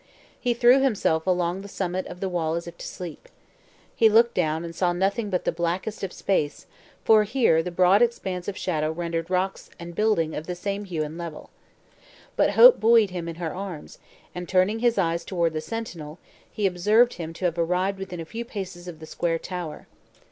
He threw himself along the summit of the wall as if to sleep. He looked down and saw nothing but the blackness of space, for here the broad expanse of shadow rendered rocks and building of the same hue and level. But hope buoyed him in her arms, and turning his eyes toward the sentinel, he observed him to have arrived within a few paces of the square tower.